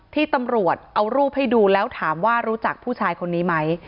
ที่ตำรวจเอารูปให้ดูแล้วถามว่ารู้จักผู้ชายคนนี้ไหม